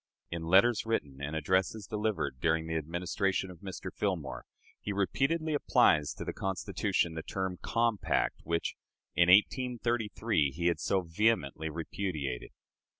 In letters written and addresses delivered during the Administration of Mr. Fillmore, he repeatedly applies to the Constitution the term "compact," which, in 1833, he had so vehemently repudiated.